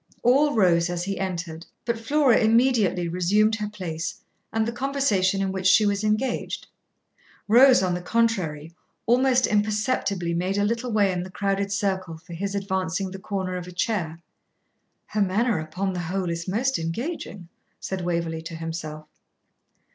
All rose as he entered, but Flora immediately resumed her place and the conversation in which she was engaged. Rose, on the contrary, almost imperceptibly made a little way in the crowded circle for his advancing the corner of a chair. 'Her manner, upon the whole, is most engaging,' said Waverley to himself.